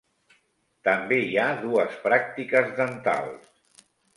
També hi ha dues pràctiques dentals.